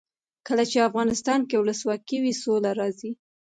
کله چې افغانستان کې ولسواکي وي سوله راځي.